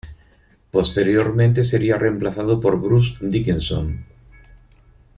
Posteriormente sería reemplazado por Bruce Dickinson.